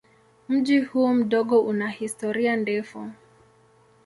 Mji huu mdogo una historia ndefu.